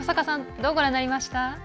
どうご覧になりました？